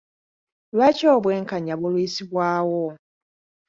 Lwaki obwenkanya bulwisibwawo?